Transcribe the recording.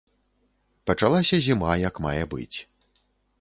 Пачалася зіма як мае быць.